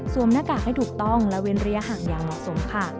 หน้ากากให้ถูกต้องและเว้นระยะห่างอย่างเหมาะสมค่ะ